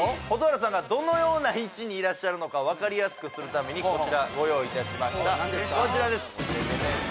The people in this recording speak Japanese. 蛍原さんがどのような位置にいらっしゃるのかわかりやすくするためにこちらご用意いたしました